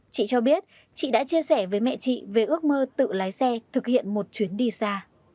chị cho biết chị đã chia sẻ với mẹ chị về ước mơ tự lái xe thực hiện một chuyến đi xa